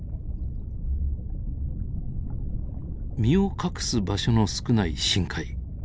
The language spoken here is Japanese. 身を隠す場所の少ない深海。